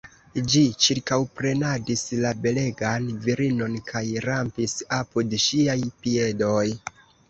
Ĝi ĉirkaŭprenadis la belegan virinon kaj rampis apud ŝiaj piedoj.